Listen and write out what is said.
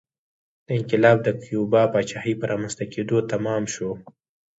دا انقلاب د کیوبا پاچاهۍ په رامنځته کېدو تمام شو